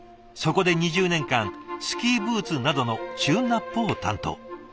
そこで２０年間スキーブーツなどのチューンナップを担当。